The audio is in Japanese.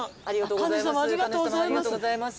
神主様ありがとうございます！